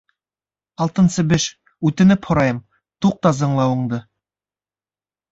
— Алтын себеш, үтенеп һорайым, туҡта зыңлауынды...